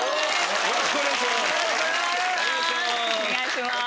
よろしくお願いします。